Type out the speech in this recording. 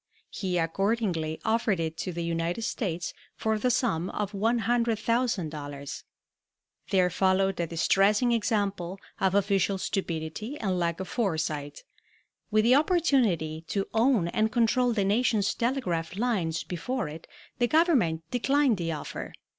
He accordingly offered it to the United States for the sum of $100,000. There followed a distressing example of official stupidity and lack of foresight. With the opportunity to own and control the nation's telegraph lines before it the Government declined the offer.